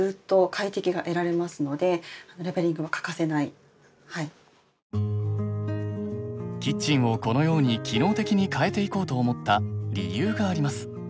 手間ではあるんですけれどもキッチンをこのように機能的に変えていこうと思った理由があります。